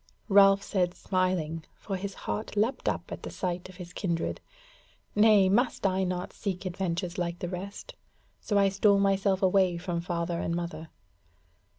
Ralph said smiling, for his heart leapt up at the sight of his kindred: "Nay, must I not seek adventures like the rest? So I stole myself away from father and mother."